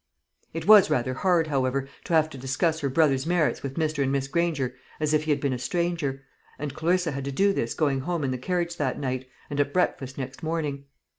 It was rather hard, however, to have to discuss her brother's merits with Mr. and Miss Granger as if he had been a stranger; and Clarissa had to do this going home in the carriage that night, and at breakfast next morning.